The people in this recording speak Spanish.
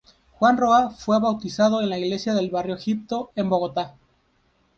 Juan Roa fue bautizado en la iglesia del Barrio Egipto, en Bogotá.